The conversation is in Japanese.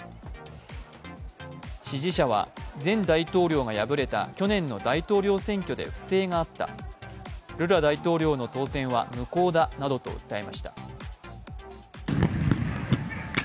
支持者は前大統領が敗れた去年の大統領選挙で不正があった、ルラ大統領の当選は無効だなどと訴えました。